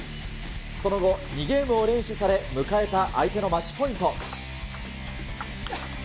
その後、２ゲームを連取され、迎えたマッチポイント。